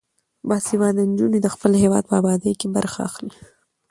باسواده نجونې د خپل هیواد په ابادۍ کې برخه اخلي.